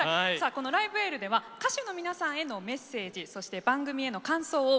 この「ライブ・エール」では歌手の皆さんへのメッセージそして番組への感想を募集中です。